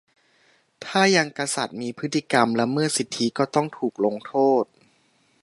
- ถ้ายังกษัตริย์มีพฤติกรรมละเมิดสิทธิ ก็ต้องถูกลงโทษ